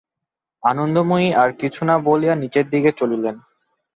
আনন্দময়ী আর কিছু না বলিয়া নীচের দিকে চলিলেন।